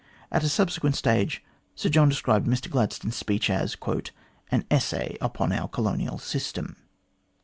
At a subsequent stage, Sir John described Mr Gladstone's speech as " an essay upon our colonial system."